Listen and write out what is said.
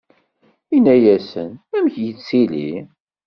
Inna-yasen: Amek yettili?